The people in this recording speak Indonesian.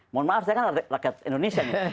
mohon maaf saya kan rakyat indonesia nih